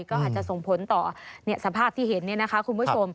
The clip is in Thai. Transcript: ก็อาจจะส่งผลต่อสภาพที่เห็นเนี่ยนะคะคุณผู้ชม